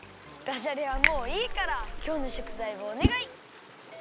ダジャレはもういいからきょうのしょくざいをおねがい！